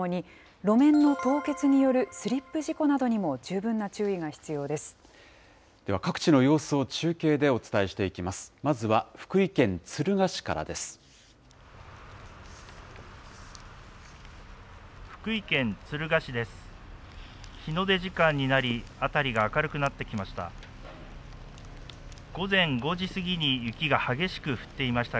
日の出時間になり、辺りが明るくなってきました。